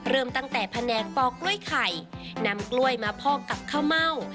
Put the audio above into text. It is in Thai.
เริ่มตั้งแต่แผนกปอกกล้วยไข่นำกล้วยมาพอกกับข้าวเม่า